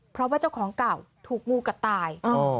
เพราะว่าเจ้าของเก่าถูกงูกัดตาย